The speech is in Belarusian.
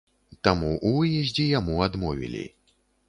Таму ў выездзе яму адмовілі.